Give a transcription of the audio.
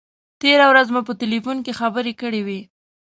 تېره ورځ مو په تیلفون کې خبرې کړې وې.